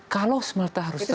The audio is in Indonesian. kalau smelter harus terbangun